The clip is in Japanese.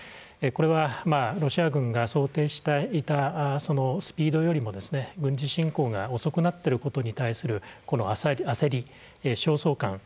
これはロシア軍が想定していたそのスピードよりも、軍事侵攻が遅くなっていることに対する焦り、焦燥感。